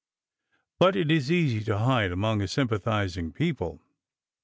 But it is easy to hide among a sympathizing people.